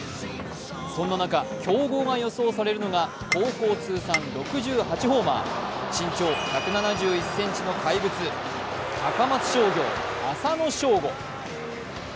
そんな中、競合が予想されるのは高校通算６８ホーマー、身長１７１ｃｍの怪物、高松商業・浅野翔吾。